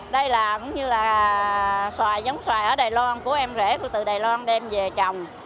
đây là cũng như là xoài giống xoài ở đài loan của em rể tôi từ đài loan đem về trồng